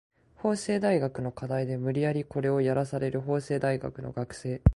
法政大学の課題で無理やりコレをやらされる法政大学の学生